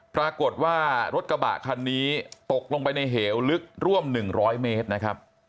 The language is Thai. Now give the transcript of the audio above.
ปรากฏว่ารถกระบะคันนี้ตกลงไปในเหวลึกร่วม๑๐๐เมตรนะครับ